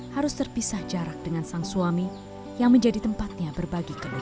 harus terpisah jarak dengan sang suami yang menjadi tempatnya berbagi keluhan